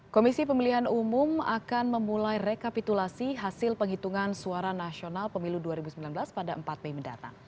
komisi pemilihan umum akan memulai rekapitulasi hasil penghitungan suara nasional pemilu dua ribu sembilan belas pada empat mei mendatang